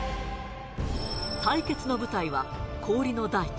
対決の舞台は氷の大地